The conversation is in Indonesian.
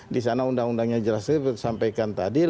di sana undang undangnya jelas disampaikan tadi